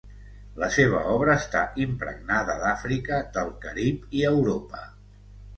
La seva obra està impregnada d'Àfrica, del Carib i Europa.